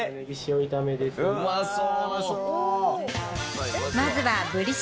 うまそう！